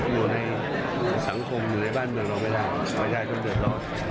อยู่ในสังคมอยู่ในบ้านต่างไปได้ไม่ได้ต้องเดินต่อ